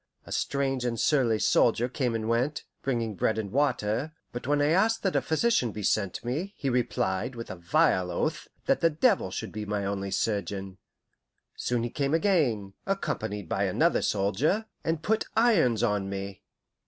A strange and surly soldier came and went, bringing bread and water; but when I asked that a physician be sent me, he replied, with a vile oath, that the devil should be my only surgeon. Soon he came again, accompanied by another soldier, and put irons on me.